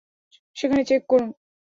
সেখানে চেক করুন।